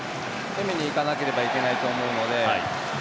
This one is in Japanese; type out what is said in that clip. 攻めに行かなければいけないと思うので。